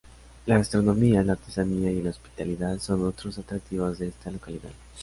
La gastronomía, la artesanía y el hospitalidad son otros atractivos de esta localidad.